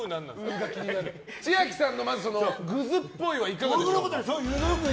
千秋さんのグズッぽいはいかがですか？